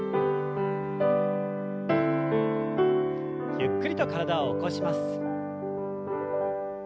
ゆっくりと体を起こします。